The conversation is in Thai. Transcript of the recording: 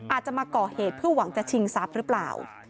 อาจจะมาก่อเหตุเพื่อหวังจะชิงทรัพย์หรือเปล่า